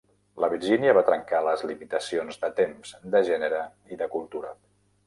La Virginia va trencar les limitacions de temps, de gènere i de cultura.